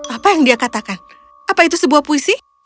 apa yang dia katakan apa itu sebuah puisi